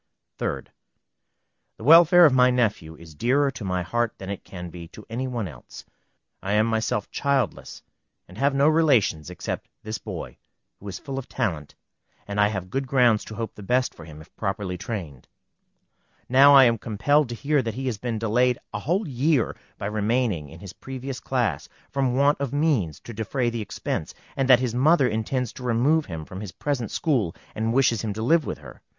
3d. The welfare of my nephew is dearer to my heart than it can be to any one else. I am myself childless, and have no relations except this boy, who is full of talent, and I have good grounds to hope the best for him, if properly trained. Now I am compelled to hear that he has been delayed a whole year by remaining in his previous class, from want of means to defray the expense, and that his mother intends to remove him from his present school, and wishes him to live with her.